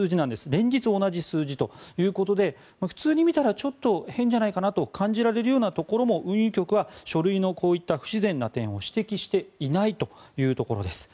連日同じ数字ということで普通に見たらちょっと変じゃないかなと感じられるところも運輸局は書類のこういった不自然な点を指摘していないということです。